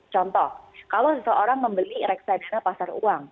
contoh kalau seseorang membeli reksadana pasar uang